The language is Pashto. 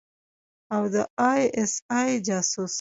او د آى اس آى جاسوس.